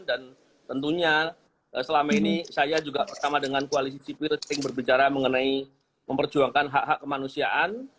dan tentunya selama ini saya juga bersama dengan koalisi sipil yang berbicara mengenai memperjuangkan hak hak kemanusiaan